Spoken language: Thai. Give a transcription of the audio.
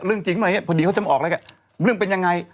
เรื่องจริงมั้ยพอดีเขาจำออกแล้วแค่เรื่องเป็นยังไง